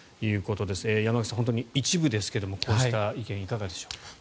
山口さん、本当に一部ですがこうした意見、いかがでしょう。